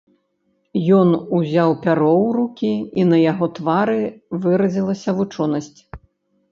Ён узяў пяро ў рукі, і на яго твары выразілася вучонасць.